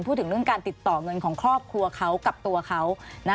พูดถึงเรื่องการติดต่อเงินของครอบครัวเขากับตัวเขา